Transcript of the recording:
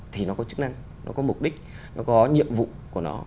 thì nó có chức năng nó có mục đích nó có nhiệm vụ của nó